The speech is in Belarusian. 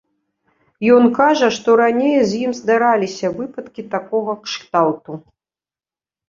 Ён кажа, што раней з ім здараліся выпадкі такога кшталту.